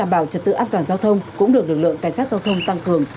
an ninh trật tự an toàn giao thông cũng được lực lượng cảnh sát giao thông tăng cường